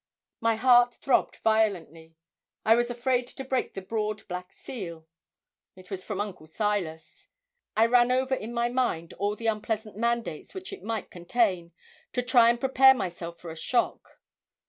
My heart throbbed violently. I was afraid to break the broad black seal. It was from Uncle Silas. I ran over in my mind all the unpleasant mandates which it might contain, to try and prepare myself for a shock.